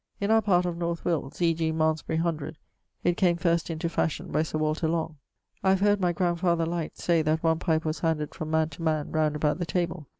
In our part of North Wilts, e.g. Malmesbury hundred, it came first into fashion by Sir Walter Long. I have heard my grandfather Lyte say that one pipe was handed from man to man round about the table.